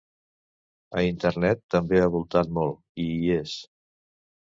A internet també ha voltat molt, i hi és.